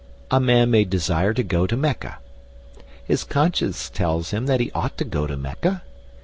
A man may desire to go to Mecca. His conscience tells him that he ought to go to Mecca.